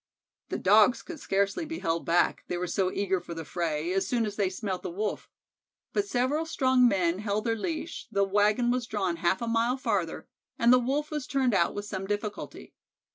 The Dogs could scarcely be held back, they were so eager for the fray, as soon as they smelt the Wolf. But several strong men held their leash, the wagon was drawn half a mile farther, and the Wolf was turned out with some difficulty.